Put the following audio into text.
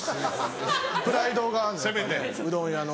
プライドがあるの？